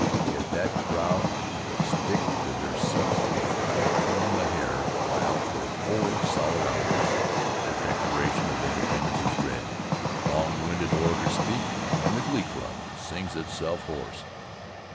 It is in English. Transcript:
Yet that crowd stick to their seats without turnin' a hair while, for four solid hours, the Declaration of Independence is read, long winded orators speak, and the glee dub sings itself hoarse.